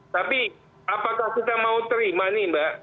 tapi apakah kita mau terima nih mbak